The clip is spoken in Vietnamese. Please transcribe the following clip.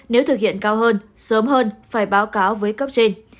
nếu thực hiện cao hơn sớm hơn phải báo cáo với cấp trên